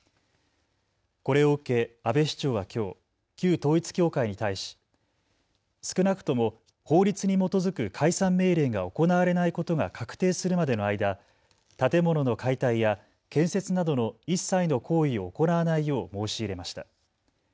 これを受け阿部市長はきょう旧統一教会に対し少なくとも法律に基づく解散命令が行われないことが確定するまでの間、建物の解体や建設などの一切の行為を行わないよう申し入れました。